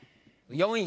４位。